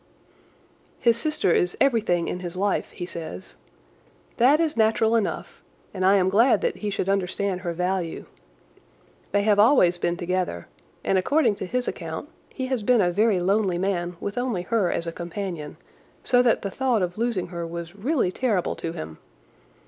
"His sister is everything in his life, he says. That is natural enough, and I am glad that he should understand her value. They have always been together, and according to his account he has been a very lonely man with only her as a companion, so that the thought of losing her was really terrible to him.